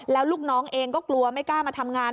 แล้วลูกน้องเองก็กลัวไม่กล้ามาทำงาน